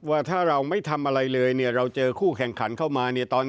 ว่าถ้าเราไม่ทำอะไรเลยเราเจอคู่แข่งขันเข้ามา